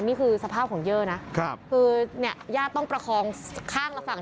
นี่คือสภาพของเยอร์นะคือเนี่ยญาติต้องประคองข้างละฝั่ง